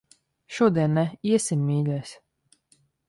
Šodien ne. Iesim, mīļais.